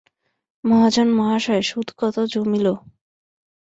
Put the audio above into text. মহাজন-মহাশয়, সুদ কত জমিল?